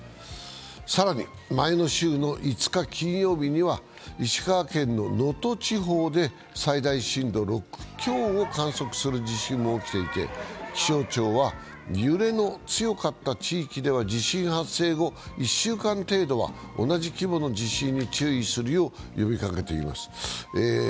更に前の週の５日金曜日には石川県の能登地方で最大震度６強を観測する地震も起きていて、気象庁は揺れの強かった地域では地震発生後１週間程度は同じ規模の地震に注意するよう呼びかけています。